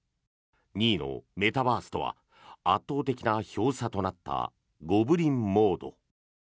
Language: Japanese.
２位のメタバースとは圧倒的な票差となったゴブリン・モード。